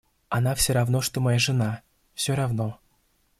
Она всё равно что моя жена, всё равно.